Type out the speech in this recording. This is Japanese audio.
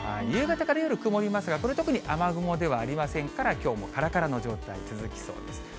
夕方から夜、曇りますが、これ、特に雨雲ではありませんから、きょうもからからの状態続きそうです。